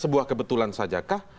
sebuah kebetulan saja kah